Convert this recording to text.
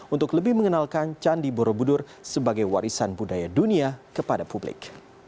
untuk lebih mengenalkan candi borobudur sebagai warisan budaya dunia kepada publik